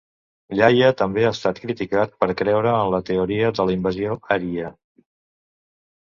Ilaiah també ha estat criticat per creure en la teoria de la invasió ària.